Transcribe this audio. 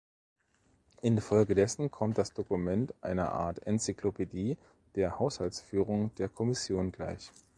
Infolgedessen kommt das Dokument einer Art Enzyklopädie der Haushaltsführung der Kommission gleich.